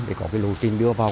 để có lưu trình đưa vào